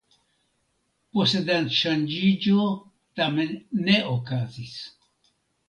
Posedantŝanĝiĝo tamen ne okazis.